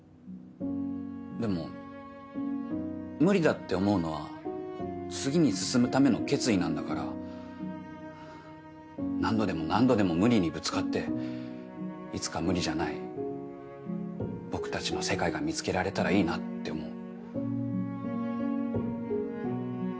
でも無理だって思うのは次に進むための決意なんだから何度でも何度でも無理にぶつかっていつか無理じゃない僕たちの世界が見つけられたらいいなって思う。